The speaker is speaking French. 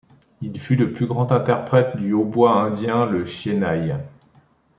Il fut le plus grand interprète du hautbois indien, le shehnai.